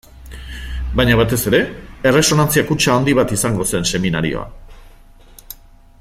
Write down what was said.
Baina batez ere, erresonantzia kutxa handi bat izango zen seminarioa.